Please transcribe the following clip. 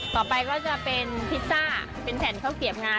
ต่อไปก็จะเป็นพิซซ่าเป็นแผ่นข้าวเกียบงา